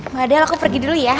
mbak adel aku pergi dulu ya